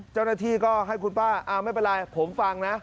เจ้าหน้าที่ก็ให้คุณป้าไม่เป็นไรผมฟังนะ